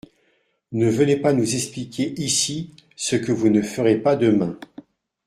Ne venez pas nous expliquer ici ce que vous ne ferez pas demain.